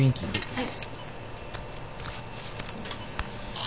はい。